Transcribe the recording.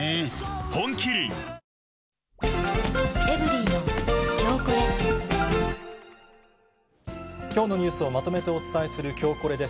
本麒麟きょうのニュースをまとめてお伝えする、きょうコレです。